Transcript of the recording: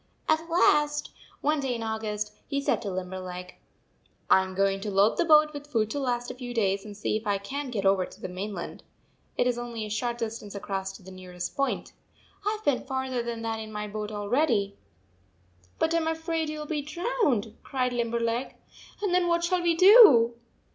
149 At last, one day in August, he said to Limberleg: " I am going to load the boat with food to last a few days and see if I can t get over to the mainland. It is only a short distance across to the nearest point. I Ve been farther than that in my boat already." " But I am afraid you 11 be drowned," cried Limberleg, "and then what shall we do?"